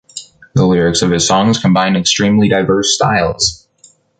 The lyrics of his songs combine extremely diverse styles.